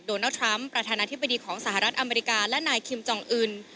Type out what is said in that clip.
โดนัลดทรัมป์ประธานาธิบดีของสหรัฐอเมริกาและนายคิมจองอื่น